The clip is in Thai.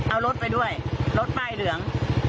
เอารถไปด้วยรถป้ายเหลือง